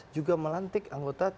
juga melantik anggota